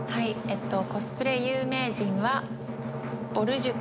コスプレ有名人は。